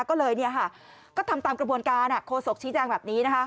ก็เลยเนี่ยค่ะก็ทำตามกระบวนการโฆษกษีแจ้งแบบนี้นะคะ